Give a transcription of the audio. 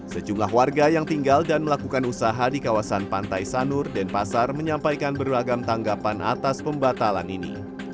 sejumlah warga yang tinggal dan melakukan usaha di kawasan pantai sanur denpasar menyampaikan beragam tanggapan atas pembatalan ini